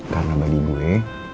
karena badi gue